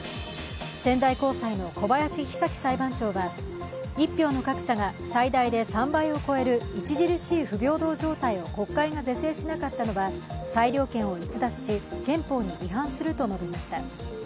仙台高裁の小林久起裁判長は、一票の格差が最大で３倍を超える著しい不平等状態を国会が是正しなかったのは裁量権を逸脱し憲法に違反すると述べました。